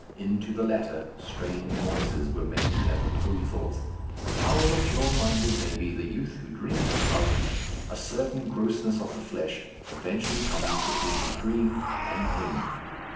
Into the latter strange voices were making their proposals. However pure minded may be the youth who dreams of love, a certain grossness of the flesh eventually comes between his dream and him.